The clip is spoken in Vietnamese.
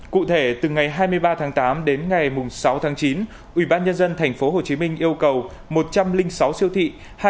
cụ thể từ ngày hai mươi ba tháng tám đến ngày sáu tháng chín ubnd tp hcm yêu cầu một trăm linh sáu siêu thị